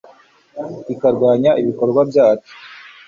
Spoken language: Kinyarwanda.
ikarwanya ibikorwa byacu